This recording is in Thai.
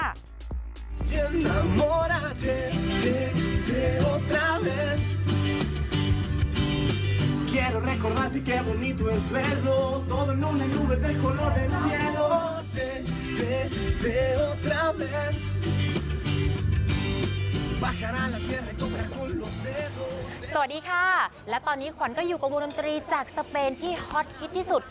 สวัสดีค่ะและตอนนี้ขวัญก็อยู่กับวงดนตรีจากสเปนที่ฮอตฮิตที่สุด